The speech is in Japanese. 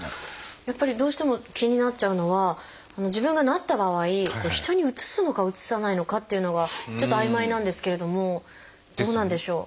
やっぱりどうしても気になっちゃうのは自分がなった場合人にうつすのかうつさないのかっていうのがちょっと曖昧なんですけれどもどうなんでしょう？